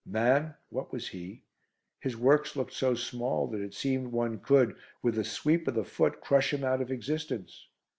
Man? What was he? His works looked so small that it seemed one could, with a sweep of the foot, crush him out of existence.